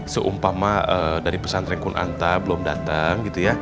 seumpama dari pesantren kun anta belum dateng gitu ya